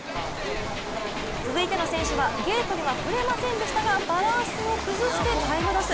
続いての選手はゲートには触れませんでしたがバランスを崩してタイムロス。